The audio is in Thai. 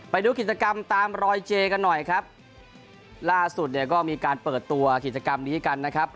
ไปดูกิจกรรมตามรอยเจกันหน่อยครับล่าสุดเนี่ยก็มีการเปิดตัวกิจกรรมนี้กันนะครับ